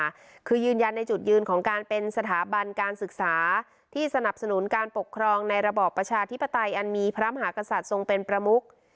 คือยืนยันในจุดยืนของการเป็นสถาบันการศึกษาที่สนับสนุนการปกครองในระบอบประชาธิปไตยอันมีพระมหากษัตริย์ทรงเป็นประมุก